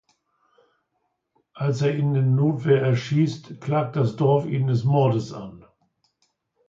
Als er ihn in Notwehr erschießt, klagt das Dorf ihn des Mordes an.